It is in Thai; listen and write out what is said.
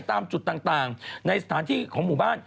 ตามจุดต่างในสถานที่ของหมู่บ้าน